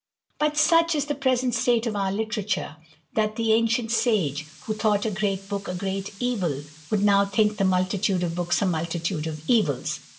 But such is the present state of our literature, that the ancient sage, who thought a great book a great evil^ would now think the multitude of books a multitude of evils.